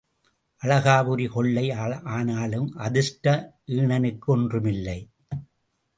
அளகாபுரி கொள்ளை ஆனாலும் அதிர்ஷ்ட ஈனனுக்கு ஒன்றும் இல்லை.